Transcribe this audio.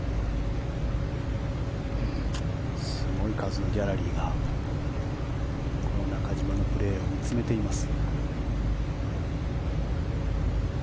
すごい数のギャラリーがこの中島のプレーを見つめています。